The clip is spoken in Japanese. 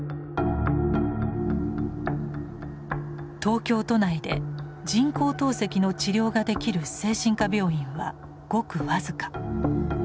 東京都内で人工透析の治療ができる精神科病院はごく僅か。